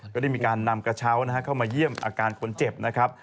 ก็ได้มีการนำกระเช้าเข้ามาเยี่ยมอาการคนเจ็บนะครับ